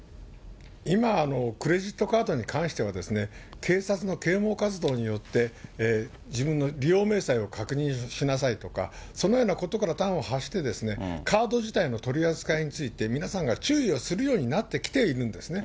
今、クレジットカードに関しては、警察の啓もう活動によって、自分の利用明細を確認しなさいとか、そのようなことから端を発して、カード自体の取り扱いについて、皆さんが注意をするようになってきているんですね。